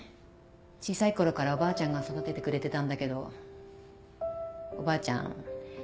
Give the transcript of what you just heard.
小さい頃からおばあちゃんが育ててくれてたんだけどおばあちゃん